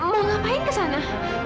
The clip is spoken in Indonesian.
mau ngapain kesana